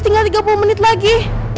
tinggal tiga puluh menit lagi